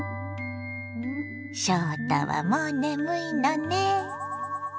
翔太はもう眠いのね。